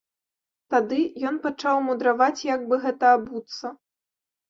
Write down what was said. Тады ён пачаў мудраваць, як бы гэта абуцца.